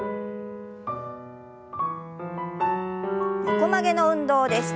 横曲げの運動です。